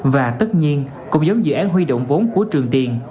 và tất nhiên cũng giống dự án huy động vốn của trường tiền